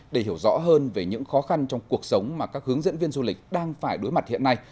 để hiểu rõ hơn về những khó khăn trong cuộc sống mà các hướng dẫn viên du lịch đang phải đối mặt hiện nay